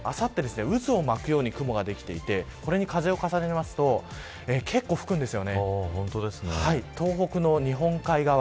渦を巻くように雲ができていてこれに風を重ねますと結構、吹くんです。